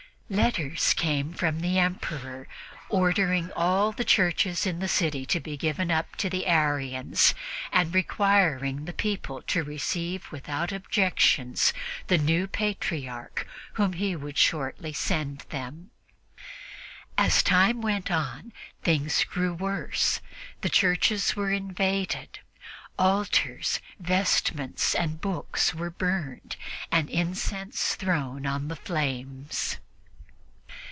Letters came from the Emperor ordering all the churches in the city to be given up to the Arians and requiring the people to receive without objections the new Patriarch whom he would shortly send them. As time went on, things grew worse. The churches were invaded; altars, vestments and books were burned and incense thrown on the flames.